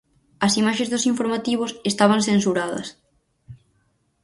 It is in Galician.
As imaxes dos informativos estaban censuradas.